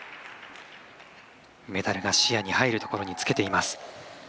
メダルが視野に入るところにつけています。